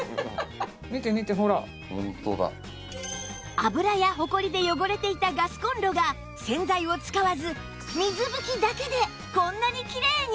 油やホコリで汚れていたガスコンロが洗剤を使わず水拭きだけでこんなにきれいに！